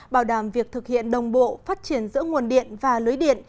bảo đảm việc thực hiện đồng bộ phát triển giữa nguồn điện và lưới điện